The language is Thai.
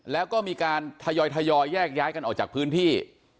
แล้วก็มีการทยอยแยกย้ายกันออกจากพื้นที่